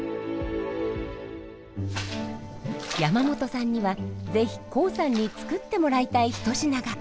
山本さんには是非コウさんに作ってもらいたい一品が。